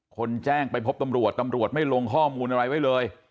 แจ้งไปพบตำรวจตำรวจไม่ลงข้อมูลอะไรไว้เลย